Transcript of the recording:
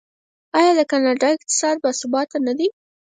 آیا د کاناډا اقتصاد باثباته نه دی؟